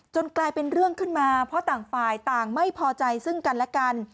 กลายเป็นเรื่องขึ้นมาเพราะต่างฝ่ายต่างไม่พอใจซึ่งกันและกัน